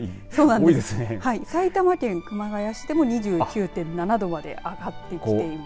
埼玉県熊谷市でも２９．７度まで上がってきています。